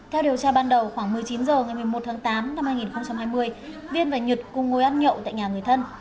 theo điều tra ban đầu khoảng một mươi chín h ngày một mươi một tháng tám năm hai nghìn hai mươi viên và nhật cùng ngồi ăn nhậu tại nhà người thân